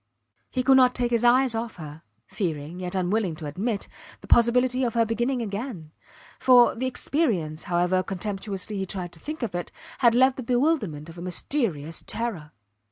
He could not take his eyes off her, fearing, yet unwilling to admit, the possibility of her beginning again; for, the experience, however contemptuously he tried to think of it, had left the bewilderment of a mysterious terror.